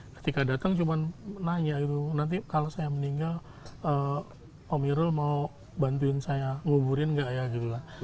ketika datang cuma nanya gitu nanti kalau saya meninggal om irul mau bantuin saya nguburin nggak ya gitu lah